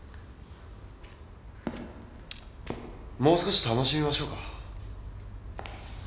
もう少し楽しみましょうか？